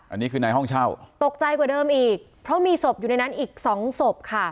อันนี้คือในห้องเช่าตกใจกว่าเดิมอีกเพราะมีศพอยู่ในนั้นอีกสองศพค่ะ